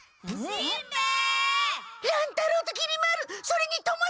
しんべヱ！